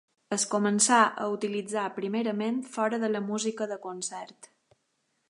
Es començà a utilitzar primerament fora de la música de concert.